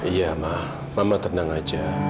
iya ma mama tenang aja